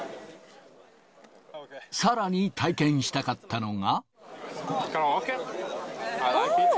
さらに体験したかったのが。